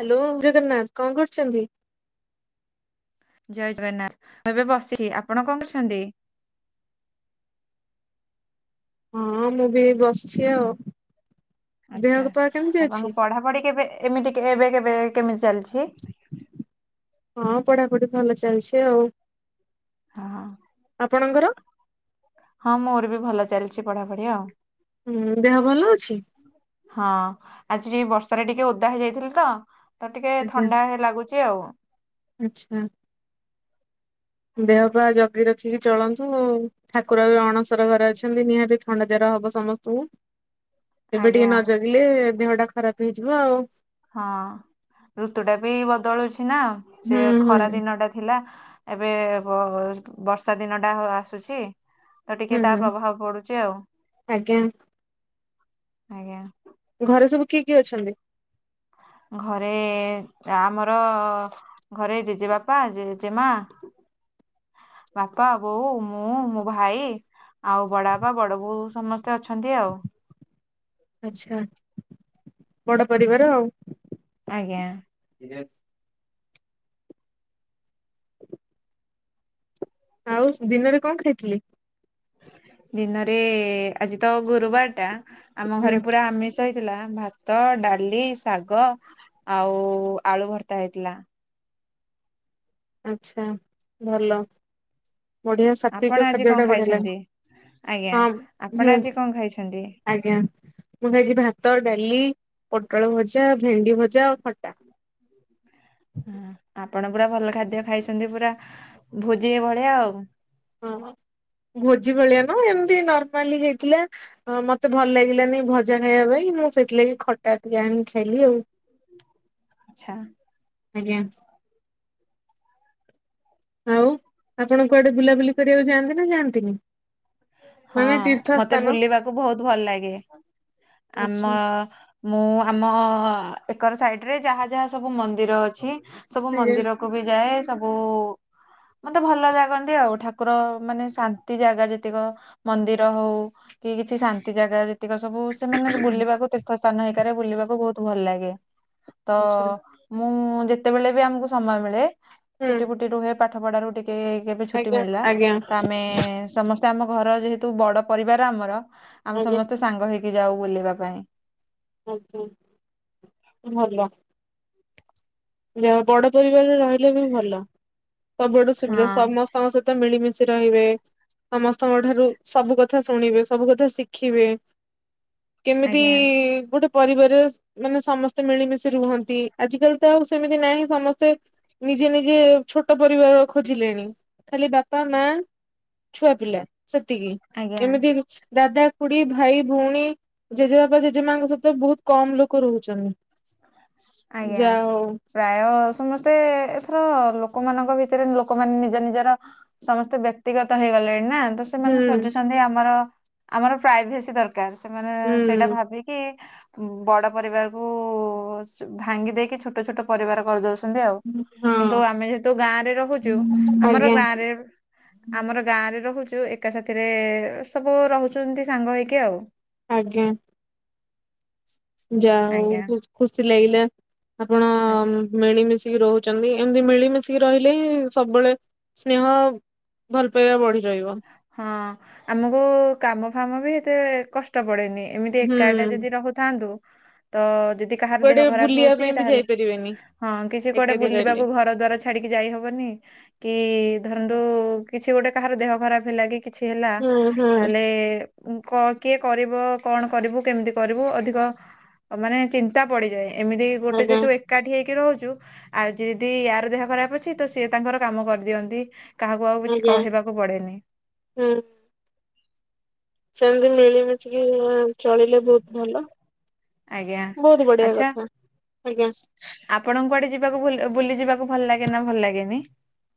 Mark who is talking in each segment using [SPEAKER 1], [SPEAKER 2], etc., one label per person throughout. [SPEAKER 1] Hello Jagannath ଙ୍କ କରୁଚନ୍ତି?
[SPEAKER 2] ଜଏ ଜଗନ୍ନାଥ ମୁଁ ଏବେ ବସଚି ଆପଣ କଣ କରୁଛନ୍ତି?
[SPEAKER 1] ହଁ ମୁଁ ବି ଏଇ ବସଛି ଆଉ।
[SPEAKER 2] ଆଛା
[SPEAKER 1] ଦେହ ପା କେମିତି ଅଛି?
[SPEAKER 2] ଆପଣଙ୍କ ପଢାପଢି କେବେ ଏମିତି କେ ଏବେ କେବେ କେମିତି ଚାଲିଚି?
[SPEAKER 1] ହଁ। ପଢାପଢି ଭଲ ଚାଲଚି ଆଉ
[SPEAKER 2] ହଁ
[SPEAKER 1] ଆପଣଙ୍କର
[SPEAKER 2] ହଁ ମୋର ବି ଭଲ ଚାଲଚି ପଢାପଢି ଆଉ।
[SPEAKER 1] ହୁଁ ଦେହ ଭଲ ଅଛି
[SPEAKER 2] ହଁ। ଆଜି ବର୍ଷାରେ ଟିକେ ଓଦା ହେଇଯାଇଥିଲି ତ ତ ଟିକେ ଥଣ୍ଡା ହେ ଲାଗୁଚି ଆଉ।
[SPEAKER 1] ଆଛା ଦେହ ପା ଜ ଗି ରଖିକି ଚଳନ୍ତୁ ଠାକୁର ବି ଅଣସର ଘରେ ଅଛନ୍ତି ନିହାତି ଥଣ୍ଡା ଜର ହବ ସମସ୍ତଙ୍କୁ। ଏବେ ଟିକେ
[SPEAKER 2] ଆଜ୍ଞା
[SPEAKER 1] ନ ଜଗିଲେ ଦେହ ଟା ଖରାପ ହେଇଯିବ ଆଉ।
[SPEAKER 2] ହଁ ଋତୁ ଟା ବି ବଦଳୁଛି ନା ସେ
[SPEAKER 1] ହୁଁ ହୁଁ
[SPEAKER 2] ଖରା ଦିନ ଟା ଥିଲା ଏବେ ବ ବର୍ଷା ଦିନଟା ହ ଆସୁଚି। ତ
[SPEAKER 1] ହୁଁ
[SPEAKER 2] ଟିକେ ତା
[SPEAKER 1] ହୁଁ,
[SPEAKER 2] ପ୍ରଭାବ ପଡୁଛି ଆଉ
[SPEAKER 1] ଆଜ୍ଞା
[SPEAKER 2] ଆଜ୍ଞା ।
[SPEAKER 1] ଘରେ ସବୁ କିଏ କିଏ ଅଛନ୍ତି ।
[SPEAKER 2] ଘରେ ଆମର ଘରେ ଜେଜେବାପା ଜେଜେ ମା । ବାପା ବୋଉ ମୁଁ ମୋ ଭାଇ । ଆଉ ବଡ ବାପା ବଡ ବୋଉ ସମସ୍ତେ ଅଛନ୍ତି ଆଉ।
[SPEAKER 1] ଆଛା ବଡ ପରିବାର ଆଉ ।
[SPEAKER 2] ଆଜ୍ଞା ।
[SPEAKER 1] ଆଉ ଦିନରେ କଣ ଖାଇଥିଲି ।
[SPEAKER 2] ଦିନରେ ଆଜି ତ ଗୁରୁବାର ଟା ଆମ
[SPEAKER 1] ହୁଁ
[SPEAKER 2] ଘରେ ପୁରା ଆମିଷ । ହେଇଥିଲା ଭାତ ଡାଲି ଶାଗ ଆଉ ଆଳୁ ଭର୍ତା ହେଇଥିଲା ।
[SPEAKER 1] ଆଛା ଭଲ ବଢିଆ
[SPEAKER 2] ଆପଣ
[SPEAKER 1] ସାତ୍ଵିକ
[SPEAKER 2] ଆଜି
[SPEAKER 1] ଖାଦ୍ୟ
[SPEAKER 2] କଣ
[SPEAKER 1] ଟା ବଢିଆ ଲାଗେ ।
[SPEAKER 2] ଖାଇଛନ୍ତି ଆଜ୍ଞା
[SPEAKER 1] ହଁ
[SPEAKER 2] ଆପଣ
[SPEAKER 1] ହୁଁ
[SPEAKER 2] ଆଜି କଣ ଖାଇଛନ୍ତି
[SPEAKER 1] ଆଜ୍ଞା ମୁଁ ଖାଇଛି ଭାତ ଡାଲି । ପୋଟଳ ଭଜା ଭେଣ୍ଡି ଭଜା ଆଉ ଖଟା ।
[SPEAKER 2] ହ ଆପଣ ପୁରା ଭଲ ଖାଦ୍ୟ ଖାଇଛନ୍ତି ପୁରା ଭୋଜି ଭଳିଆ ଆଉ ।
[SPEAKER 1] ହଁବା ଭୋଜି ଭଳିଆ ନୁଅ ଏମିତି ନ ରମାଲି ହେଇଥିଲା ମତେ ଭଲ ଲାଗିଲାନି ଭଜା ଖାଇବା ପାଇଁ ମୁଁ ସେଇଥି ଲାଗି ଖଟା ଟିକେ ଆଣି ଖାଇଲି । [unintelligible]
[SPEAKER 2] ଆଛା ।
[SPEAKER 1] ଆଜ୍ଞା । ଆଉ ଆପଣ କୁଆଡେ ବୁଲାବୁଲି କରିବାକୁ ଯାଆନ୍ତି ନା ଯାଆନ୍ତିନି ।
[SPEAKER 2] ହଁ ମତେ ବୁଲିବାକୁ ବହୁତ ଭଲ ଲାଗେ । ଆମ
[SPEAKER 1] ଆଚ୍ଛା
[SPEAKER 2] ମୁଁ ଆମ । ଏକର ସାଇଡ ରେ ଯାହା ଯାହା ସବୁ ମନ୍ଦିର ଅଛି ସବୁ
[SPEAKER 1] ଆଜ୍ଞା
[SPEAKER 2] ମନ୍ଦିର କୁ ବି ଯାଏ । ସବୁ ମତେ ଭଲ ଲାଗନ୍ତି ଆଉ ଠାକୁର ମାନେ ଶାନ୍ତି ଜାଗା ଯେତିକ । ମନ୍ଦିର ହଉ କି କିଛି ଶାନ୍ତି ଜାଗା ଯେତିକ ସବୁ ସେମାନେରେ ବୁଲିବାକୁ ତୀର୍ଥ ସ ସ୍ଥାନ ହିକାରେ ବୁଲିବାକୁ ବହୁତ ଭଲ ଲାଗେ ତ
[SPEAKER 1] ଆଚ୍ଛା
[SPEAKER 2] । ମୁଁ ଯେତେବେଳେ ବି ଆମକୁ ସମୟ ମିଳେ ଛୁଟି
[SPEAKER 1] ହୁଁ
[SPEAKER 2] ଫୁଟି ରୁହେ ପାଠ ପଢା ରୁ ଟିକେ । କେ କେବେ ଛୁଟି
[SPEAKER 1] ଆଜ୍ଞା
[SPEAKER 2] ମିଳିଲା
[SPEAKER 1] ଆଜ୍ଞା
[SPEAKER 2] ତ ଆମେ ସମସ୍ତେ ଆମ ଘର ଯେହେତୁ ବଡ ପରିବାର ଆମର । ଆମେ
[SPEAKER 1] ଆଜ୍ଞା
[SPEAKER 2] ସମସ୍ତେ ସାଙ୍ଗ ହେଇକି ଯାଉ ବୁଲିବା ପାଇଁ ।
[SPEAKER 1] ଆଜ୍ଞା ଭଲ । ଜା ହଉ ବଡ ପରିବାରରେ ରହିଲେ ବି ଭଲ ସବୁ ଆଡୁ
[SPEAKER 2] ହଁ
[SPEAKER 1] ସୁବିଧା ସମସ୍ତଙ୍କ ସହିତ ମିଳିମିଶି । ରହିବେ ସମସ୍ତଙ୍କ ଠାରୁ ସବୁ କଥା ଶୁଣିବେ ସବୁ କଥା ଶିଖିବେ । କେମିତି
[SPEAKER 2] ଆଜ୍ଞା।
[SPEAKER 1] ଗୋଟେ ପରିବାରରେ ମାନେ ସମସ୍ତେ ମିଳିମିଶି ରୁହନ୍ତି ଆଜିିକାଲି । ଏବେ ତ ଆଉ ସେମିତି ନାହିଁ ସମସ୍ତେ ନିଜେ ନିଜେ ଛୋଟ ପରିବାର ଖୋଜିଲେଣି । ଖାଲି ବାପା ମା ଛୁଆ ପିଲା ସେତିକି
[SPEAKER 2] ଆଜ୍ଞା।
[SPEAKER 1] ଏମିତି ଦାଦା । ଖୁଢୀ ଭାଇ ଭଉଣୀ ଜେଜେବାପା ଜେଜେ ମାଙ୍କ ସହିତ ବହୁତ କମ ଲୋକ ରହୁଛନ୍ତି ।
[SPEAKER 2] ଆଜ୍ଞା ପ୍ରାୟ ସମସ୍ତେ ଏଥର ଲୋକ । ଲୋକମାନଙ୍କ ଭିତରେ ଲୋକ ମାନେ ନିଜ ନିଜର ସମସ୍ତେ ବ୍ୟକ୍ତିଗତ ହେଇଗଲେଣି । ନା ତ ସେମାନେ
[SPEAKER 1] ହୁଁ
[SPEAKER 2] ଖୋଜୁଛନ୍ତି ଆମର ଆମର ପ୍ରାଇଭେସି ଦରକାର । ର ସେମାନେ
[SPEAKER 1] ହୁଁ
[SPEAKER 2] ସେଇଟା ଭାବିକି ବଡ ପରିବାରକୁ । ଭାଙ୍ଗି ଦେଇକି ଛୋଟ ଛୋଟ ପରିବାର କରିଦଉ ଛନ୍ତି ଆଉ କିନ୍ତୁ
[SPEAKER 1] ହଁ
[SPEAKER 2] ଆମେ ଯେହେତୁ ଗାଁରେ ରହୁଛୁ ଆମର
[SPEAKER 1] ଆଜ୍ଞା
[SPEAKER 2] ଗାଁରେ । ଆମର ଗାଁ ରେ ରହୁଛୁ ଏକା ସାଥିରେ ସବୁ ରହୁଛନ୍ତି ସାଙ୍ଗ ହେଇକି ଆଉ ।
[SPEAKER 1] ଆଜ୍ଞା । ଯା ହଉ
[SPEAKER 2] ଆଜ୍ଞା
[SPEAKER 1] ଖୁ ଖୁସି ଲାଗିଲା ଆପଣ
[SPEAKER 2] ଆଚ୍ଛା।
[SPEAKER 1] ମିଳିମିଶି । କି ରହୁଛନ୍ତି ଏମତି ମିଳିମିଶିକି ରହିଲେ ହିଁ ସବୁବେଳେ ସ୍ନେହ ଭଲ ପାଇବା ବଢି ରହିବ
[SPEAKER 2] ହଁ ଆମକୁ କାମ ଫାମ ବି ଏତେ କଷ୍ଟ ପଡେନି । ଏମିତି
[SPEAKER 1] ହୁଁ
[SPEAKER 2] ଏକା ଏକା ଯଦି ରହୁଥାନ୍ତୁ ତ ଯଦି କାହାର ଦେହ
[SPEAKER 1] କୁଆଡେ
[SPEAKER 2] ଖରାପ
[SPEAKER 1] ବୁଲିବା
[SPEAKER 2] ହଉଛି
[SPEAKER 1] ପାଇଁ ବି
[SPEAKER 2] ତାହେଲେ।
[SPEAKER 1] ଯାଇପାରିବେନି
[SPEAKER 2] ହଁ କିଛି କୁଆଡେ
[SPEAKER 1] ଏକାଠି ରହିଲେ।
[SPEAKER 2] ବୁଲିବାକୁ ଘର ଦ୍ୱାର ଛାଡିକି ଯାଇ ହବନି କି ଧରନ୍ତୁ । କିଛି ଗୋଟେ କାହାର ଦେହ ଖରାପ ହେଲା, କି କିଛି ହେଲା,
[SPEAKER 1] ହୁଁ ହୁଁ
[SPEAKER 2] ତାହଲେ କିଏ କରିବ? କଣ କରିବୁ, କେମିତି କରିବୁ, ଅଧିକ ମାନେ ଚିନ୍ତା ପଡିଯାଏ । ଏମିତି ଗୋଟେ
[SPEAKER 1] ଆଜ୍ଞା
[SPEAKER 2] ଯେହତୁ ଏକାଠି ହେକି ରହୁଛୁ, ଆଉ ଯଦି ୟାର ଦେହ ଖରାପ ଅଛି, ତ ସିଏ ତାଙ୍କର କାମ କରିଦିଅନ୍ତି । କାହାକୁ ଆଉ କିଛି
[SPEAKER 1] ଆଜ୍ଞା
[SPEAKER 2] କହିବାକୁ ପଡେନି ।
[SPEAKER 1] ହୁଁ । ସେମିତି ମିଳିମିଶିକି ଚଳିଲେ ବହୁତ ଭଲ।
[SPEAKER 2] ଆଜ୍ଞା
[SPEAKER 1] ବହୁତ ବଢିଆ
[SPEAKER 2] ଆଛା
[SPEAKER 1] କଥା ଆଜ୍ଞା।
[SPEAKER 2] ଆପଣ କୁଆଡେ ଯିବାକୁ ଭୁଲ ବୁଲି ଯିବାକୁ ଭଲ ଲାଗେ ନା ଭଲ ଲାଗେନି?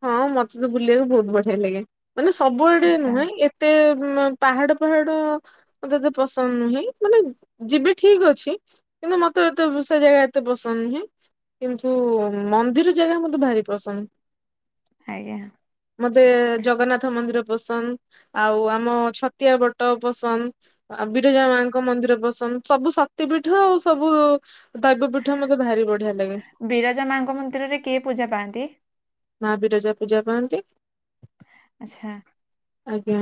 [SPEAKER 1] ହଁ ମତେ ତ ବୁଲିବାକୁ ବହୁତ ବଢିଆ ଲାଗେ । ମାନେ ସବୁଆଡେ
[SPEAKER 2] ଆଚ୍ଛା
[SPEAKER 1] ନୁହଁ, ଏତେ ପାହାଡ ପାହାଡ ମତେ ଏତେ ପସନ୍ଦ ନୁହେଁ, ମାନେ ଯିବି ଠିକ ଅଛି, କିନ୍ତୁ ମତେ ଏତେ ସେ ଜାଗା ଏତେ ପସନ୍ଦ ନୁହେଁ, କିନ୍ତୁ ମନ୍ଦିର ଜାଗା ମତେ ଭାରି ପସନ୍ଦ।
[SPEAKER 2] ଆଜ୍ଞା
[SPEAKER 1] ମତେ ଜଗନ୍ନାଥ ମନ୍ଦିର ପସନ୍ଦ ଆଉ ଆମ ଛତିଆ ଭଟ ପସନ୍ଦ, ଆ ବିରଜା ମାଙ୍କ ମନ୍ଦିର ପସନ୍ଦ ସବୁ ଶକ୍ତି ପୀଠ ଆଉ ସବୁ ଦୈବ ପିଠା ମତେ ଭାରି ବଢିଆ ଲାଗେ।
[SPEAKER 2] ବିରଜା ମାଙ୍କ ମନ୍ଦିରରେ କିଏ ପୂଜା ପାଆନ୍ତି?
[SPEAKER 1] ମା ବିରଜା ପୂଜା ପାଆନ୍ତି।
[SPEAKER 2] ଆଛା ।
[SPEAKER 1] ଆଜ୍ଞା,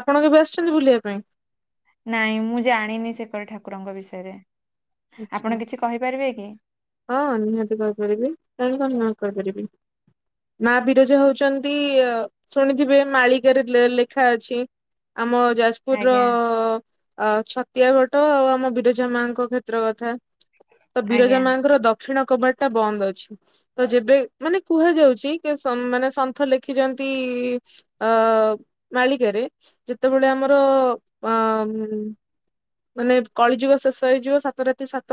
[SPEAKER 1] ଆପଣ କେବେ ଆସିଛନ୍ତି ବୁଲିବା ପାଇଁ?
[SPEAKER 2] ନାଇଁ, ମୁଁ ଜାଣିନି ସେପଟ ଠାକୁରଙ୍କ ବିଷୟରେ।
[SPEAKER 1] ଆଚ୍ଛା।
[SPEAKER 2] ଆପଣ କିଛି କହିପାରିବେ କି?
[SPEAKER 1] ହଁ, ନିହାତି କହିପାରିବି କାହିଁକି କଣ ନ କହିପାରିବି? ମା ବିରଜା ହଉଛନ୍ତି ଶୁଣିଥିବେ, ମାଳିକାରେ ଲେଖା ଅଛି। ଆମ ଯାଜପୁର
[SPEAKER 2] ଆଜ୍ଞା
[SPEAKER 1] ର ଛତିଆ ଭଟ ଆଉ ଆମ ବିରଜା ମାଙ୍କ କ୍ଷେତ୍ର କଥା ତ ବିରଜା
[SPEAKER 2] ଆଜ୍ଞା
[SPEAKER 1] ମାଙ୍କ ଦକ୍ଷିଣ କବାଟଟା ବନ୍ଦ ଅଛି, ତ ଯେବେ ମାନେ କୁହାଯାଉଛି କି -ସନ ମାନେ ସନ୍ଥ ଲେଖିଯା ଆନ୍ତି, ମାଳିକାରେ ଯେତେବେଳେ ଆମର ଅଁ ହୁଁ, ମାନେ କଳିଯୁଗ ଶେଷ ହେଇଯିବ, ସାତ ରାତି ସାତ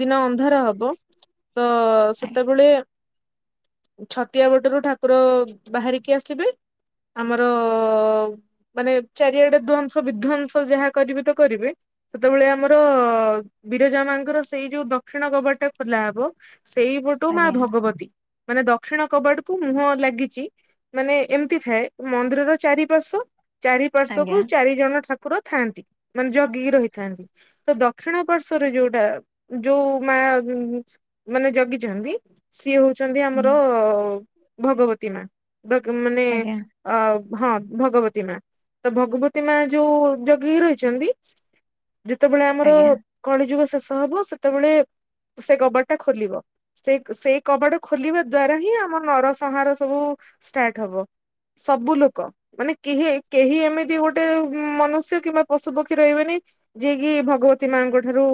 [SPEAKER 1] ଦିନ ଅନ୍ଧାର ହବ, ତ ସେତେବେଳେ ଛତିଆ ଭଟରୁ ଠାକୁର ବାହାରିକି ଆସିବେ ଆମର ମାନେ ଚାରିଆଡେ ଧ୍ଵଂସ ବିଧ୍ଵଂସ ଯାହା କରିବି ତ କରିବେ, ସେତେବେଳେ ଆମର ଅ ବିରଜା ମାଙ୍କର ସେଇ ଯୋଉ ଦକ୍ଷିଣ କବାଟଟା ଖୋଲା ହବ ସେଇପଟୁ ମା
[SPEAKER 2] ଆଜ୍ଞା
[SPEAKER 1] ଭଗବତୀ ମାନେ ଦକ୍ଷିଣ କବାଟକୁ ମୁହଁ ଲାଗିଛି ମାନେ ଏମିତି ଥାଏ ମନ୍ଦିରର ଚାରିପାର୍ଶ୍ୱ
[SPEAKER 2] ଆଜ୍ଞା
[SPEAKER 1] ଚାରିପାର୍ଶ୍ୱକୁ ଚାରି ଜଣ ଠା କୁର ଥାନ୍ତି ମାନେ ଜଗି ରହିଥାନ୍ତି, ତ ଦକ୍ଷିଣ ପାର୍ଶ୍ଵରେ ଯୋଉଟା ଯୋଉ ମା ମାନେ ଜଗିଛନ୍ତି ସିଏ ହଉ ଛନ୍ତି ଆମର
[SPEAKER 2] ହୁଁ
[SPEAKER 1] ଭଗବତୀ ମା ମାନେ
[SPEAKER 2] ଆଜ୍ଞା
[SPEAKER 1] ଅ ହଁ, ଭଗବତୀ ମା ତ ଭଗବତୀ ମା ଯୋଉ ଜଗି ରହିଛନ୍ତି। ଯେତେବେଳେ ଆମର
[SPEAKER 2] ଆଜ୍ଞା
[SPEAKER 1] କଳିଯୁଗ ଶେଷ ହବ, ସେତେବେଳେ ସେ କବାଟଟା ଖୋଲିବ। ସେ ସେଇ କବାଟ ଖୋଲିବା ଦ୍ଵାରା ହିଁ ଆମ ନରସଂହାର ସବୁ ଷ୍ଟାର୍ଟ ହବ। ସବୁ ଲୋକ ମାନେ କେହି, କେହି ଏମିତି ଗୋଟେ ମନୁଷ୍ୟ କିମ୍ବା ପଶୁ ପକ୍ଷୀ ରହିବେନି ଯିଏ କିି ଭଗବତୀ ମାଙ୍କ ଠାରୁ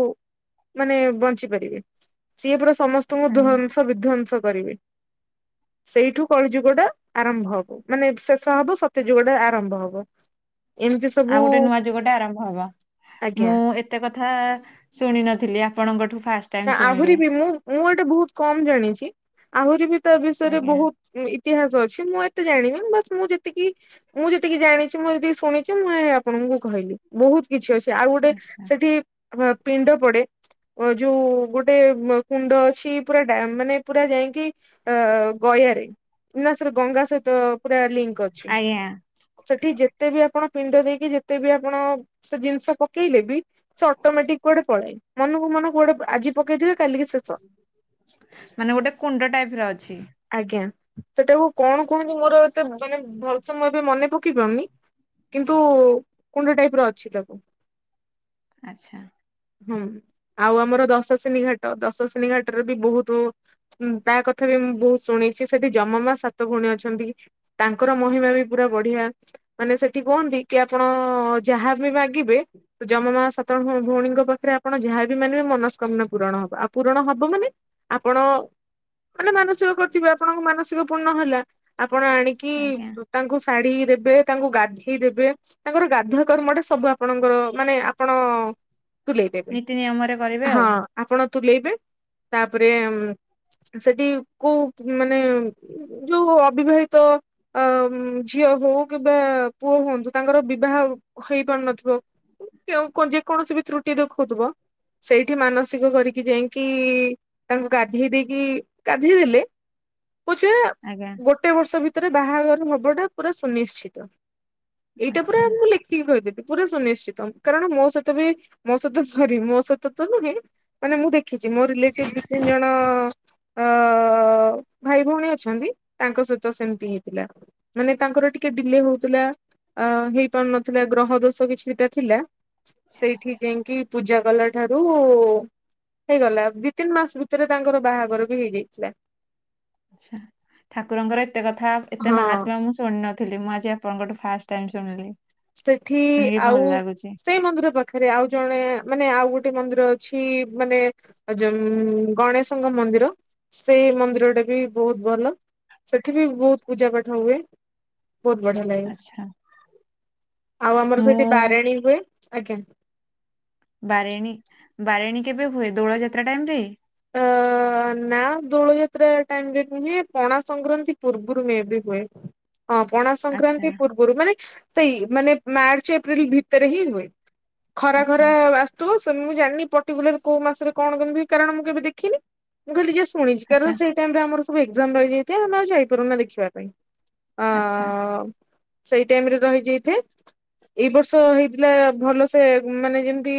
[SPEAKER 1] ମାନେ ବଞ୍ଚିପାରିବେ, ସିଏ ପରା ସମସ୍ତଙ୍କୁ
[SPEAKER 2] ଆଜ୍ଞା।
[SPEAKER 1] ଧ୍ଵଂସ ବିଧ୍ଵଂସ କରିବେ। [inaudible] ସେଇଠୁ କଳି ଯୁଗଟା ଆରମ୍ଭ ହବ, ମାନେ ଶେଷ ହବ, ସତ୍ୟ ଯୁଗ ଟା ଆରମ୍ଭ ହବ। [inaudible] ସବୁ
[SPEAKER 2] ଆଉ ଗୋଟେ ନୂଆ ଯୁଗଟେ ଆରମ୍ଭ ହବ,
[SPEAKER 1] ଆଜ୍ଞା
[SPEAKER 2] ମୁଁ ଏତେ କଥା ଶୁଣି ନ ଥିଲି ଆପଣଙ୍କଠୁ ଫାଷ୍ଟ
[SPEAKER 1] ନା
[SPEAKER 2] ଟାଇମ୍
[SPEAKER 1] ଆହୁରି
[SPEAKER 2] ଶୁଣିଲି।
[SPEAKER 1] ବି ମୁଁ ମୁଁ ଏଇଟା ବହୁତ କମ ଜାଣିଛି। ଆହୁରିବି ତା ବିଷୟରେ
[SPEAKER 2] ଆଜ୍ଞା
[SPEAKER 1] ବହୁତ ଇ ଇତିହାସ ଅଛି ମୁଁ ଏତେ ଜାଣିନି, ବାସ୍ ମୁଁ ଯେତିକି ମୁଁ ଯେତିକି ଜାଣିଛି ମୁଁ ଯେତିକି ଶୁଣିଛି ମୁଁ ଆପଣଙ୍କୁ
[SPEAKER 2] ଆଚ୍ଛା
[SPEAKER 1] [unintelligible] ଯୋଉ ଗୋଟେ କୁଣ୍ଡ ଅଛି, ପୁରା ଡ୍ୟାମ ମାନେ ପୁରା ଯାଇକି ଅ ଗୟାରେ ନା ସେରା ଗଙ୍ଗା ସହିତ ପୁରା ଲିଙ୍କ ଅଛି,
[SPEAKER 2] ଆଜ୍ଞା
[SPEAKER 1] ସେଠି ଯେତେ ବି ଆପଣ ପିଣ୍ଡ ଦେଇକି ଯେତେ ବି ଆପଣ ସେ ଜିନିଷ ପକେଇଲେ ବି, ସେ ଅଟୋମେଟିକ କୁଆଡେ ପଳାଏ। ମନକୁ ମନ କୁଆଡେ ଆଜି ପକେଇଥିବେ କାଲିକି ଶେଷ
[SPEAKER 2] ମାନେ ଗୋଟେ କୁଣ୍ଡ ଟାଇପର ଅଛି।
[SPEAKER 1] ଆଜ୍ଞା। ସେଟାକୁ କଣ କୁହନ୍ତି, ମୋର ଏତେ ମାନେ ଭଲସେ ମୁଁ ଏବେ ମନେ ପକେଇ ପାରୁନି। କିନ୍ତୁ କୁଣ୍ଡ ଟାଇପର ଅଛି ତାକୁ
[SPEAKER 2] ଆଚ୍ଛା ।
[SPEAKER 1] ହୁଁ ଆଉ ଆମର ଦଶସିନୀ ଘାଟ, ଦଶସିନୀ ଘାଟରେ ବି ବହୁତ ତା କଥା ବି ମୁଁ ବହୁତ ଶୁଣିଛି, ସେଠି ଯମମା ସାତ ଭଉଣୀ ଅଛନ୍ତି ତାଙ୍କର ମହିମା ବି ପୁରା ବଢ଼ିଆ। ଯମମା ସାତ ଭଉ ଭଉଣୀଙ୍କ ପାଖରେ ଆପଣ ଯାହାବି ମାଗିବେ ମନସ୍କ [unintelligible] ପୂରଣ ହବ ଆଉ ପୂରଣ ହବ ମାନେ ଆପଣ ମାନେ ମାନସିକ କରିଥିବେ, ଆପଣଙ୍କୁ ମାନସିକ ପୂର୍ଣ୍ଣ ହେଲା ।ଆପଣ ଆଣିକି
[SPEAKER 2] ଆଜ୍ଞା
[SPEAKER 1] ତାଙ୍କୁ ଶାଢ଼ୀ ଦେବେ, ତାଙ୍କୁ ଗାଧେଇ ଦେବେ, ତାଙ୍କର ଗାଧୁଆ କର୍ମଟେ ସବୁ ଆପଣଙ୍କର ମାନେ ଆପଣ ତୁଲେଇ ଦେବେ।
[SPEAKER 2] ନୀତି ନିୟମରେ କରି
[SPEAKER 1] ହଁ ଆପଣ ତୁଲେଇବେ, ତାପରେ ସେଠି କୋଉ ମାନେ ଯୋଉ ଅବିବାହିତ ଅ ଝିଅ ହଉ କିମ୍ବା ପୁଅ ହୁଅନ୍ତୁ ତାଙ୍କର ବିବାହ ହୋଇପାରୁ ନଥିବ ଯେଉଁ ଯେକୌଣସି ବି ତ୍ରୁଟି ଦେଖଉଥିବ ସେଇଠି ମାନସିକ କରିକି ଯାଇକି ତାଙ୍କୁ ଗାଧେଇ ଦେଇକି, ଗାଧେଇ ଦେଲେ କୁଛ
[SPEAKER 2] ଆଜ୍ଞା।
[SPEAKER 1] ଗୋଟେ ବର୍ଷ ଭିତରେ ବାହାଘର ହବାଟା ପୁରା ସୁନିଶ୍ଚିତ । ଏଇଟା
[SPEAKER 2] ଆଚ୍ଛା
[SPEAKER 1] ପୁରା ପୁରା ସୁନିଶ୍ଚିତ, କାରଣ ମୋ ସହିତ ବି ମୋ ସହିତ ସରି ମୋ ସହିତ ତ ନୁହେଁ ମାନେ ମୁଁ ଦେଖି ଦେଖିଛି ମୋ ରିଲେଟିଭ ଦି ତିନି ଜଣ ଅ - ଅ ଭାଇ ଭଉଣୀ ଅଛନ୍ତି ତାଙ୍କ ସହିତ ସେମିତି ହେଇଥିଲା, ମାନେ ତାଙ୍କର ଟିକେ ଡିଲେ ହଉଥିଲା ଅ ହେଇ ପାରୁନଥିଲା ଗ୍ରହ ଦୋଷ କିଛିଟା ଥିଲା, ସେଇଠି ଯାଇକି ପୂଜା କଲା ଠାରୁ ହେଇଗଲା ଦି ତିନି ମାସ ଭିତରେ ତାଙ୍କର ବାହାଘର ବି ହେଇଯାଇଥିଲା ।
[SPEAKER 2] ଆଛା ଠାକୁରଙ୍କର ଏତେ କଥା ଏତେ
[SPEAKER 1] ହଁ
[SPEAKER 2] ମହାତ୍ମ୍ୟ, ମୁଁ ଶୁଣି ନ ଥିଲି ମୁଁ ଆଜି ଆପଣଙ୍କ ଠୁ ଫାଷ୍ଟ ଟାଇମ ଶୁଣିଲି ।
[SPEAKER 1] ସେଠି ଆଉ ସେଇ ମନ୍ଦିର ପାଖରେ, ଆଉ ଜଣେ ମାନେ ଆଉ ଗୋ ଗୋଟେ ମନ୍ଦିର ଅଛି ମାନେ ଗଣେଶଙ୍କ ମନ୍ଦିର ସେଇ ମନ୍ଦିରଟେ ବି ବହୁତ ଭଲ ସେଠି ବି ବହୁତ ପୂଜା ପାଠ ହୁଏ । ବହୁତ ବଢିଆ ଲାଗେ।
[SPEAKER 2] ଆଚ୍ଛା
[SPEAKER 1] ଆଜ୍ଞା
[SPEAKER 2] ମୁଁ
[SPEAKER 1] ।
[SPEAKER 2] ବାରେଣୀ ବାରେଣୀ କେବେ ହୁଏ ଦୋଳ ଯାତ୍ରା ଟାଇମରେ?
[SPEAKER 1] ହଁ। ନା ଦୋଳ ଯାତ୍ରା ଟାଇମରେ ନୁହେଁ, ପଣା ସଂକ୍ରାନ୍ତି ପୂର୍ବରୁ ମେ ବି ହୁଏ । ହଁ ପଣା
[SPEAKER 2] ଆଚ୍ଛା
[SPEAKER 1] ସଂକ୍ରାନ୍ତି ପୂର୍ବରୁ ମାନେ ସେଇ ମାନେ ମାର୍ଚ୍ଚ ଏପ୍ରିଲ ଭିତରେ ହିଁ ହୁଏ ।ଖରା
[SPEAKER 2] ଆଚ୍ଛା
[SPEAKER 1] ଖରା ଆସୁଥିବ, ଶି ମୁଁ ଜାଣିନି ପର୍ଟିକୁଲାର କୋଉ ମାସରେ କଣ କେମିତି? କାରଣ ମୁଁ କେବେ ଦେଖିନି ମୁଁ ଖାଲି ଶୁଣି ଶୁଣିଛି କାରଣ
[SPEAKER 2] ଆଚ୍ଛା
[SPEAKER 1] ସେଇ ଟାଇମରେ ଆମର ସବୁ ଏଜ୍ଜାମ ରହିଯାଇଥାଏ, ଆମେ ଆଉ ଯାଇପାରୁନା ଦେଖିବା ପାଇଁ । ଅ
[SPEAKER 2] ଆଚ୍ଛା
[SPEAKER 1] ସେଇ ଟାଇମ ରେ ରହିଯାଇଥାଏ। ଏଇ ବର୍ଷ ହେଇଥିଲା ଭଲ ସେ, ମାନେ ଯେମିତି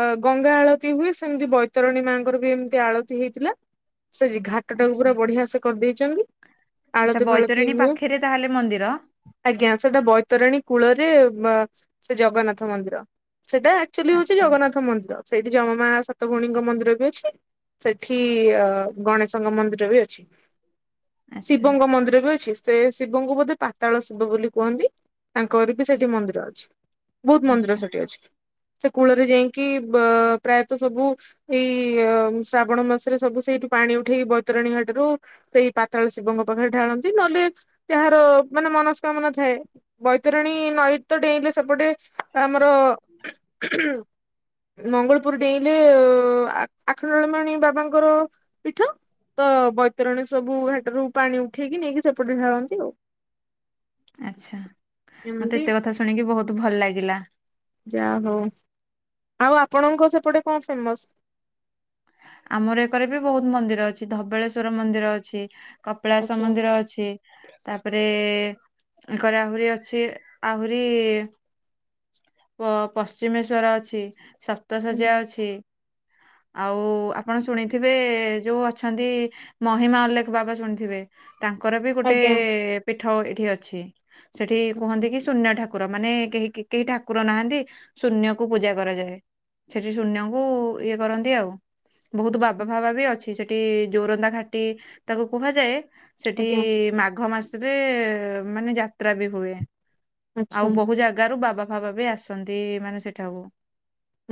[SPEAKER 1] ଅ - ଗଙ୍ଗା ଆଳତି ହୁଏ ସେମିତି ବ ବୈତରଣୀ ମାଆଙ୍କର ବି ଏମିତି ଆଳତି ହେଇଥିଲା। ସେ ଘାଟ ଟାକୁ ପୁରା
[SPEAKER 2] ଆଚ୍ଛା
[SPEAKER 1] ବଢ଼ିସେ କରିଦେଇ
[SPEAKER 2] ଆଚ୍ଛା
[SPEAKER 1] ଆଳତି ଫାଳତି
[SPEAKER 2] ବୈତରଣୀ
[SPEAKER 1] ହୁଏ,
[SPEAKER 2] ପାଖରେ ତାହେଲେ ମନ୍ଦିର
[SPEAKER 1] ଆଜ୍ଞା ସେଇଟା ବୈତରଣୀ କୂଳରେ ସେ ଜଗନ୍ନାଥ ମନ୍ଦିର, ସେଟା ଆକ୍ଚୁଆଲି ହଉଛି
[SPEAKER 2] ଆଚ୍ଛା
[SPEAKER 1] ଜଗନ୍ନାଥ ମନ୍ଦିର । ସେଇଠି ଯମମା ସାତଭଉଣୀଙ୍କ ମନ୍ଦିର ବି ଅଛି । ସେଠି ଗଣେଶଙ୍କ ମନ୍ଦିର ବି ଅଛି ।
[SPEAKER 2] ଆଚ୍ଛା
[SPEAKER 1] ଶିବଙ୍କ ମନ୍ଦିର ବି ଅଛି । ସେ ଶିବଙ୍କୁ ବୋଧେ ପାତାଳ ଶିବ ବୋଲି କୁହନ୍ତି, ତାଙ୍କର ବି ସେଇଠି ମନ୍ଦିର ଅଛି । ବହୁତ ମନ୍ଦିର
[SPEAKER 2] ଆଚ୍ଛା
[SPEAKER 1] ସେଠି ଅଛି । ସେ କୂଳରେ ଯାଇକି ପ୍ରାୟତଃ ସବୁ ଏଇ ଶ୍ରାବଣ ମାସରେ ସବୁ ସେଇଠୁ ପାଣି ଉଠେଇକି ବୈତରଣୀ ଘାଟରୁ ସେଇ ପାତାଳ ଶିବଙ୍କ ପାଖରେ ଢାଳନ୍ତି, ନହେଲେ ଯହାର ମାନେ ମନସ୍କାମନା ଥାଏ, ବୈତରଣୀ ନଈତ ଡେଇଁଲେ ସେପଟେ ଆମର ମଙ୍ଗଳପୁର ଡେଇଁଲେ ଆଠଣ୍ଡଳମଣି ବାବାଙ୍କର ପୀଠ । ତ ବୈତରଣୀ ସବୁ ହାଟରୁ ପାଣି ଉଠେଇକି, ନେଇକି ସେପଟ ଢାଳନ୍ତି ଆଉ
[SPEAKER 2] ଆଛା, ମତେ
[SPEAKER 1] ଏମିତି
[SPEAKER 2] ଏତେ କଥା ଶୁଣିକି ବହୁତ ଭଲ ଲାଗିଲା ।
[SPEAKER 1] ହୋ, ଆଉ ଆପଣଙ୍କ ସେପଟେ କଣ ଫେମସ?
[SPEAKER 2] ଆମର ଏକରେ ବି ବହୁତ ମନ୍ଦିର ଅଛି, ଧବଳେଶ୍ଵର ମନ୍ଦିର ଅଛି । କପିଳାସ
[SPEAKER 1] ଆଚ୍ଛା
[SPEAKER 2] ମନ୍ଦିର ଅଛି। ତାପରେ ତାଙ୍କରେ ଆହୁରି ଅଛି, ଆହୁରି ଓ ପଶ୍ଚିମେଶ୍ଵର ଅଛି । ସପ୍ତ
[SPEAKER 1] ହୁଁ,
[SPEAKER 2] ଶଯ୍ୟା ଅଛି, ଆଉ ଆପଣ ଶୁଣିଥିବେ, ଯୋଉ ଅଛନ୍ତି, ମହିମା ଅଲେଖ ବାବା ଶୁଣିଥିବେ । ତାଙ୍କର ବି ଗୋଟେ
[SPEAKER 1] ଆଜ୍ଞା
[SPEAKER 2] ପୀଠ ଏଠି ଅଛି ସେଠି
[SPEAKER 1] ଆଚ୍ଛା
[SPEAKER 2] କୁହନ୍ତି କି ଶୂନ୍ୟ ଠାକୁର । ଠାକୁର ମାନେ କେହି କେହି ଠାକୁର ନାହାନ୍ତି ଶୂନ୍ୟକୁ ପୂଜା କରାଯାଏ । ସେଠି ଶୂନ୍ୟଙ୍କୁ ଇଏ କରନ୍ତି, ଆଉ ବହୁତ
[SPEAKER 1] ଆଚ୍ଛା
[SPEAKER 2] ବାବା ଭାବା ବି ଅଛି, ସେଠି ଯୋରନ୍ଦା ଘାଟି ତାକୁ କୁହାଯାଏ । ସେଠି
[SPEAKER 1] ଆଜ୍ଞା
[SPEAKER 2] ମାଘ ମାସରେ ମାନେ ଯାତ୍ରା ବି ହୁଏ।
[SPEAKER 1] ଆଚ୍ଛା
[SPEAKER 2] ଆଉ ବହୁ ଜାଗାରୁ ବାବା ଫାବା ବି ଆସନ୍ତି ମାନେ ସେଠାକୁ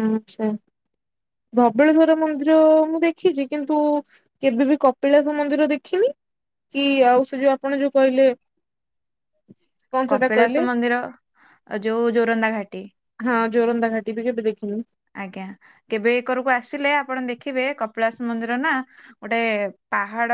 [SPEAKER 1] ଆଛା । ଧବଳେଶ୍ଵର ମନ୍ଦିର ମୁଁ ଦେଖିଛି କିନ୍ତୁ କେବେବି କପିଳାସ ମନ୍ଦିର ଦେଖିନି । କି ଆଉ ସେ ଯୋଉ ଆପଣ ଯୋଉ କହିଲେ କଣ ସେଟା
[SPEAKER 2] କପିଳାସ
[SPEAKER 1] କହିଲେ
[SPEAKER 2] ମନ୍ଦିର । ଆ ଯୋଉ ଯୋରନ୍ଦା ଘାଟି
[SPEAKER 1] ହଁ ଜୋରନ୍ଦା ଘାଟି ବି କେବେ ଦେଖିନି।
[SPEAKER 2] ଆଜ୍ଞା, କେବେ ଏକରକୁ ଆସିଲେ ଆପଣ ଦେଖିବେ? କପିଳାସ ମନ୍ଦିର ନା- ଗୋଟେ ପାହାଡ